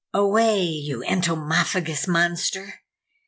"AWAY you Entomophagus monster!